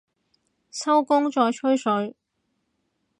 收工再吹水